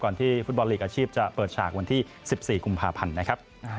ที่ฟุตบอลลีกอาชีพจะเปิดฉากวันที่๑๔กุมภาพันธ์นะครับ